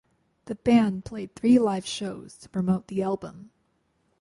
The band played three live shows to promote the album.